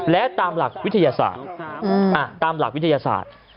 และตามหลักวิทยาศาสตร์ตามหลักวิทยาศาสตร์